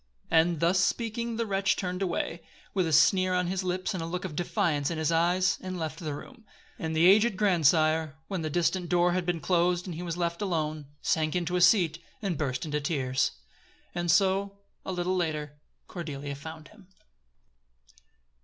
And, thus speaking the wretch turned away, with a sneer on his lips and a look of defiance in his eyes, and left the room. And the aged grandsire, when the distant door had been closed and he was left alone, sank into a seat, and burst into tears. And so, a little later, Cordelia found him.